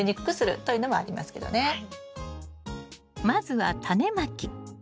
まずはタネまき。